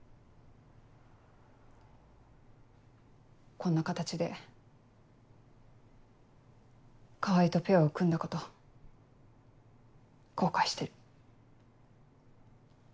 こんな形で川合とペアを組んだこと後悔してる。